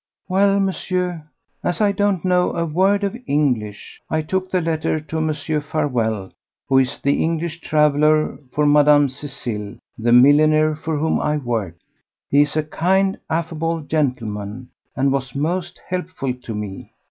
"Well, Monsieur, as I don't know a word of English, I took the letter to Mr. Farewell, who is the English traveller for Madame Cécile, the milliner for whom I worked. He is a kind, affable gentleman and was most helpful to me.